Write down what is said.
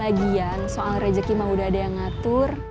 lagian soal rezeki mah udah ada yang ngatur